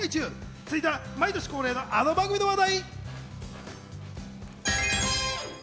続いては毎年恒例のあの番組の話題。